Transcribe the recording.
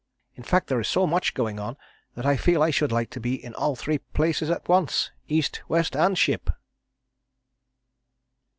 In fact there is so much going on that I feel I should like to be in all three places at once East, West and Ship."